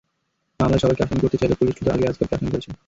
মামলায় সবাইকে আসামি করতে চাইলেও পুলিশ শুধু আলী আজগরকে আসামি করেছে।